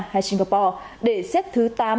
và singapore để xếp thứ